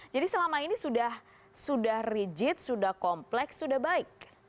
jadi selama ini sudah rigid sudah kompleks sudah baik